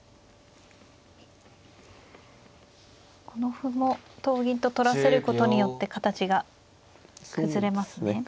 この歩も同銀と取らせることによって形が崩れますね。